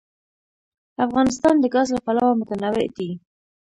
افغانستان د ګاز له پلوه متنوع دی.